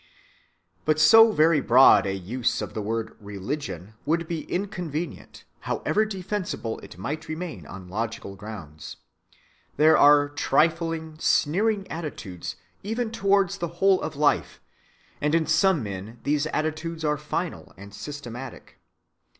But so very broad a use of the word "religion" would be inconvenient, however defensible it might remain on logical grounds. There are trifling, sneering attitudes even towards the whole of life; and in some men these attitudes are final and systematic.